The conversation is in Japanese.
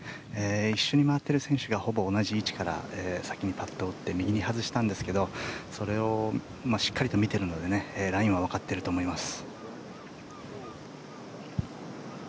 一緒に回っている選手がほぼ同じ位置から先にパットを打って右に外したんですがそれをしっかりと見ているのでラインは分かっていると思います。